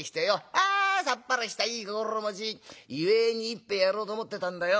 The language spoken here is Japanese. あさっぱりしたいい心持ち祝いに一杯やろうと思ってたんだよ。